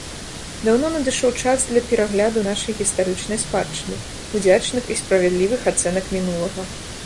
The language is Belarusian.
Даўно надышоў час для перагляду нашай гістарычнай спадчыны, удзячных і справядлівых ацэнак мінулага.